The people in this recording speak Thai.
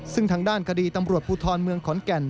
ซึ่งทางด้านคดีตำรวจภูทรเมืองขอนแก่น